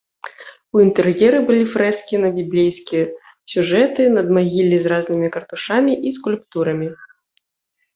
У інтэр'еры былі фрэскі на біблейскія сюжэты, надмагіллі з разнымі картушамі і скульптурамі.